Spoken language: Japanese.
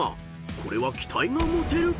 ［これは期待が持てる］